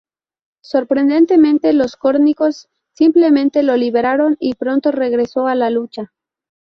Sorprendentemente, los córnicos simplemente lo liberaron y pronto regresó a la lucha.